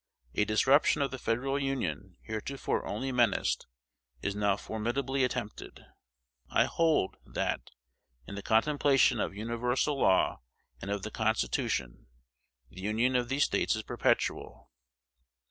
A disruption of the Federal Union, heretofore only menaced, is now formidably attempted. I hold, that, in the contemplation of universal law and of the Constitution, the Union of these States is perpetual.